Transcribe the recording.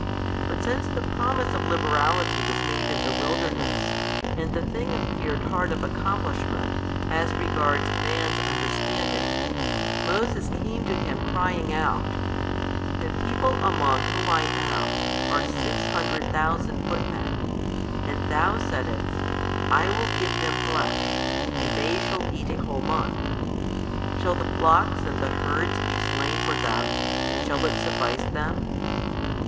But since the promise of liberality was made in the wilderness, and the thing appeared hard of accomplishment, as regards man's understanding, Moses came to Him crying out, The people among whom I am, are six hundred thousand footmen, and THOU saidst, I will give them flesh, and they shall eat a whole month: shall the flocks and the herds he slain for them, and shall it suffice them?